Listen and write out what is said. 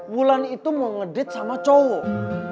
wulan itu mau ngedate sama cowok